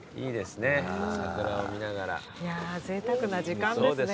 ぜいたくな時間ですね。